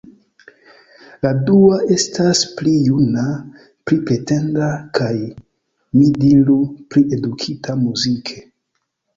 La dua estas pli juna, pli pretenda kaj, mi diru, pli edukita muzike.